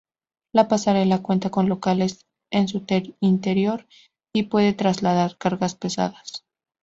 La pasarela cuenta con locales en su interior y puede trasladar cargas pesadas.